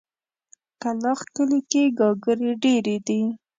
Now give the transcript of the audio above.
کلاخ کلي کې ګاګرې ډېرې دي.